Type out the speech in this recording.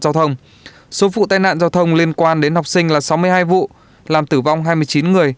giao thông số vụ tai nạn giao thông liên quan đến học sinh là sáu mươi hai vụ làm tử vong hai mươi chín người